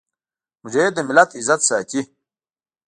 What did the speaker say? مجاهد د ملت عزت ساتي.